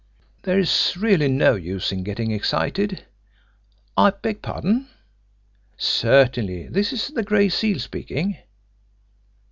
"There is really no use in getting excited. ... I beg pardon? ... Certainly, this is the Gray Seal speaking.